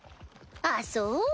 あっそう。